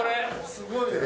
すごいよ。